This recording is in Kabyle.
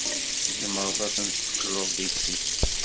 Tzemred ad ten-tled deg sin.